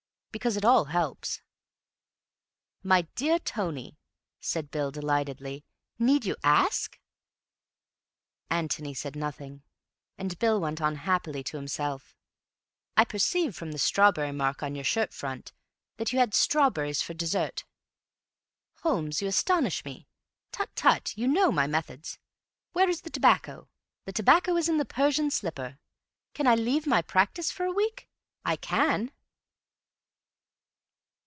Because it all helps." "My dear Tony," said Bill delightedly, "need you ask?" Antony said nothing, and Bill went on happily to himself, "I perceive from the strawberry mark on your shirt front that you had strawberries for dessert. Holmes, you astonish me. Tut, tut, you know my methods. Where is the tobacco? The tobacco is in the Persian slipper. Can I leave my practice for a week? I can."